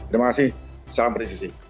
terima kasih salam presisi